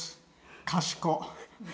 かしこ。